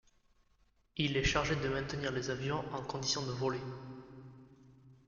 Il est chargé de maintenir les avions en condition de voler.